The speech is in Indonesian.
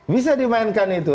bisa dimainkan itu